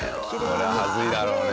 これは恥ずいだろうね。